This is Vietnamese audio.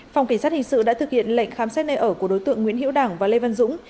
phòng cảnh sát hình sự đã thực hiện lệnh khám xét nơi ở của đối tượng nguyễn hiễu đảng và lê văn dũng